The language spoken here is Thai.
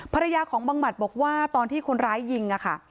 ภรรยาของบังหมัดบอกว่าตอนที่คนร้ายยิงค่ะ